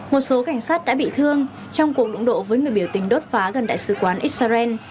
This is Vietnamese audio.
một số cảnh sát đã bị thương trong cuộc đụng độ với người biểu tình đốt phá gần đại sứ quán israel